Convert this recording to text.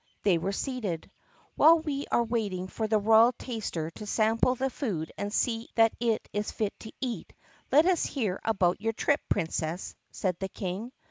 They were seated. "While we are waiting for the royal taster to sample the food and see that it is fit to eat, let us hear about your trip, Princess," said the King.